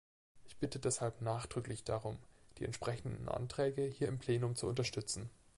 Ich bitte deshalb nachdrücklich darum, die entsprechenden Anträge hier im Plenum zu unterstützen.